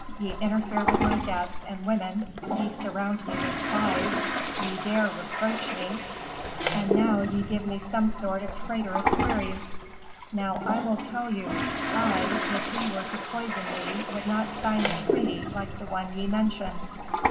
"Ye interfere with my debts and women, ye surround me with spies, ye dare reproach me, and now ye give me some sort of traitorous queries. Now I will tell you: I, if ye were to poison me, would not sign a treaty like the one ye mention.